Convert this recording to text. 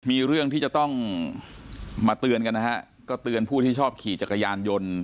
มีเรื่องที่จะต้องมาเตือนกันนะฮะก็เตือนผู้ที่ชอบขี่จักรยานยนต์